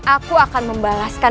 aku akan membalaskan